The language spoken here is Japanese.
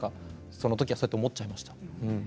そのときはそう思っちゃいました。